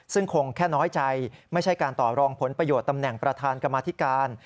ซึ่งคงแค่น้อยใจไม่ใช่การต่อรองผลประโยชน์ตำแหน่งประธานกรรมธิการ